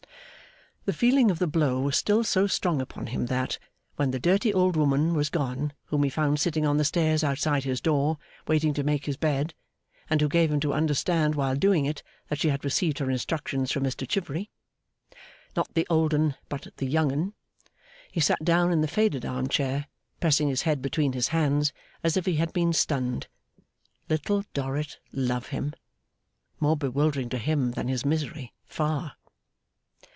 The feeling of the blow was still so strong upon him that, when the dirty old woman was gone whom he found sitting on the stairs outside his door, waiting to make his bed, and who gave him to understand while doing it, that she had received her instructions from Mr Chivery, 'not the old 'un but the young 'un,' he sat down in the faded arm chair, pressing his head between his hands, as if he had been stunned. Little Dorrit love him! More bewildering to him than his misery, far.